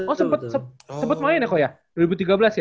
oh sempet main ya dua ribu tiga belas ya